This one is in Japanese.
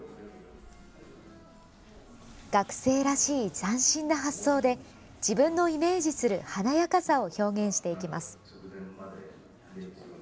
学生らしい斬新な発想で自分のイメージする華やかさを表現していきます。